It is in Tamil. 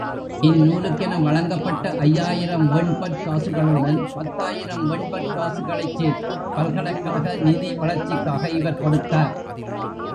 இந்நூலுக்கென வழங்கப்பட்ட ஐயாயிரம் வெண்பொற் காசுகளுடன் பத்தாயிரம் வெண்பொற் காசுகளைச் சேர்த்துப் பல்கலைக்கழக நிதி வளர்ச்சிக்காக இவர் கொடுத்தார்.